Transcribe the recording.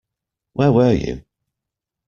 Where were you?